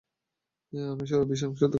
আমি শুধু ভীষণ ক্লান্ত!